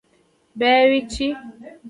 " بیا ئې وې چې " ستا نه ډېره خوشاله ده